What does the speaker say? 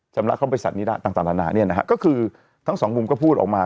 จำละเข้าไปศาสตร์นิรัติต่างนานาเนี่ยนะฮะก็คือทั้งสองมุมก็พูดออกมา